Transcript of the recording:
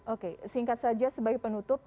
oke singkat saja sebagai penutup